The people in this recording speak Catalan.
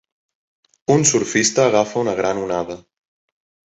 Un surfista agafa una gran onada.